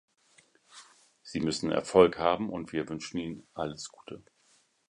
Sie müssen Erfolg haben, und wir wünschen Ihnen alles Gute.